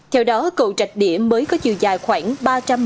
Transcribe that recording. theo đó cầu rạch đĩa mới có chiều dài khoảng hai mươi tháng